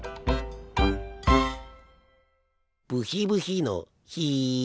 ブヒブヒのヒ。